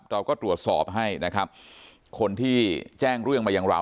เราก็ตรวจสอบให้นะครับคนที่แจ้งเรื่องมาอย่างเรา